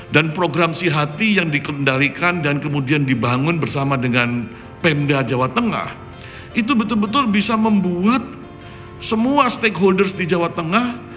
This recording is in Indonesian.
dan program sihati yang dikendalikan dan kemudian dibangun bersama dengan pemda jawa tengah itu betul betul bisa membuat semua stakeholders di jawa tengah